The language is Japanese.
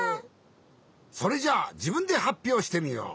それじゃあじぶんではっぴょうしてみよう。